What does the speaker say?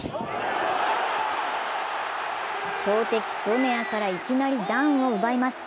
強敵・ドネアからいきなりダウンを奪います。